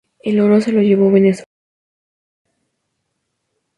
El oro se lo llevó Venezuela por sexta vez.